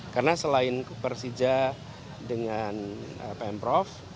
karena selain persija dengan pm prof